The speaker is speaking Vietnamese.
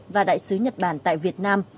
và đại sứ nhật bản tại việt nam